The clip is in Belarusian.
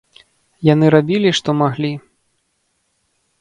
Яны рабілі, што маглі.